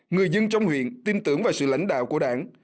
người dân trong huyện tin tưởng vào sự lãnh đạo của đảng